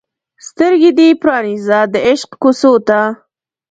سترګې دې پرانیزه د عشق کوڅو ته